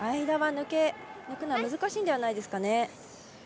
間は抜くのは難しいんじゃないですかね。